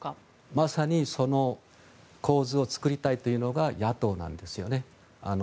まさにその構図を作りたいというのが野党なんですよね。